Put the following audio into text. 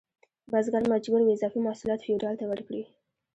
بزګر مجبور و اضافي محصولات فیوډال ته ورکړي.